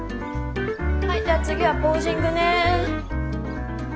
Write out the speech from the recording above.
はいじゃあ次はポージングね。